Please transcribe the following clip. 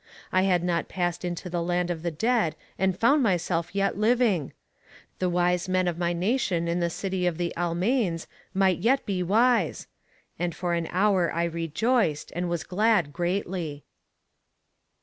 I had not passed into the land of the dead and found myself yet living! The wise men of my nation in the city of the Almains might yet be wise! And for an hour I rejoiced, and was glad greatly.